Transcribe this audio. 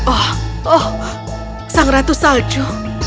oh sang ratu salju